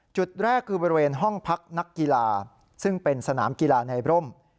จุดแรกคือบริเวณห้องพักนักกีฬาซึ่งเป็นสนามกีฬาในร่ม